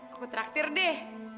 aku traktir deh